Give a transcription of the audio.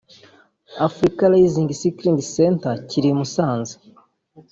Africa Rising Cycling Center kiri i Musanze